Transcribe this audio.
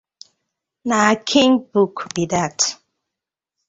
Na Akin book bi dat.